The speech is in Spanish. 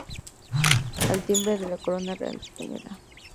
Al timbre la Corona Real Española.